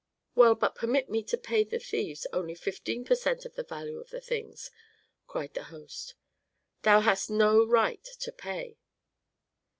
"Well, but permit me to pay the thieves only fifteen per cent of the value of the things," cried the host. "Thou hast no right to pay."